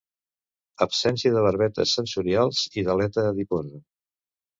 Absència de barbetes sensorials i d'aleta adiposa.